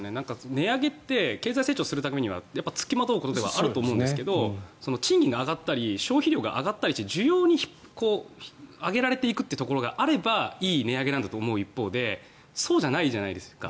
値上げって経済成長するためには付きまとうことだとは思うんですが賃金が上がったり消費量が上がったりして需要に上げられていくってところがあればいい値上げなんだと思う一方でそうじゃないじゃないですか。